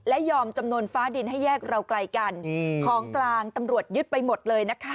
และยอมจำนวนฟ้าดินให้แยกเราไกลกันของกลางตำรวจยึดไปหมดเลยนะคะ